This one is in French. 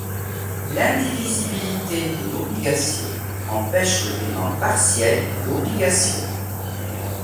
L'indivisibilité de l'obligation empêche le paiement partiel de l'obligation.